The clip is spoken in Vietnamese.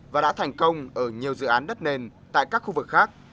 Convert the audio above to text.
và đã thành công ở nhiều dự án đất nền tại các khu vực khác